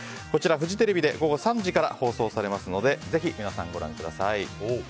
こちらフジテレビで午後３時から放送されますのでぜひ皆さん、ご覧ください。